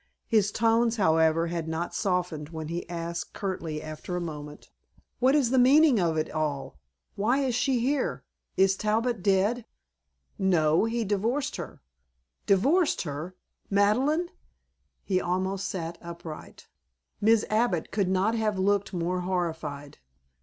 His tones, however, had not softened when he asked curtly after a moment: "What is the meaning of it all? Why is she here? Is Talbot dead?" "No, he divorced her." "Divorced her? Madeleine?" He almost sat upright. Mrs. Abbott could not have looked more horrified.